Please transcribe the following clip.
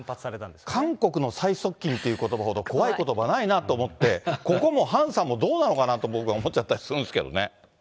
韓国の最側近ということばほど怖いことばないなと思って、ここもハンさんもどうなのかなと、僕は思っちゃったりするんですけどね。